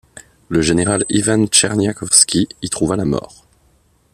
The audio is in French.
Le général Ivan Tcherniakhovski y trouva la mort.